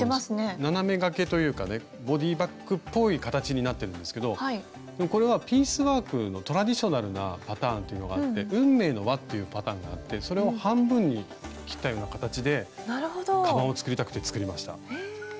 斜めがけというかねボディーバッグっぽい形になってるんですけどでもこれはピースワークのトラディショナルなパターンっていうのがあって運命の輪っていうパターンがあってそれを半分に切ったような形でかばんを作りたくて作りました。